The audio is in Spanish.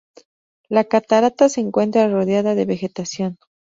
La catarata se encuentra rodeada de vegetación.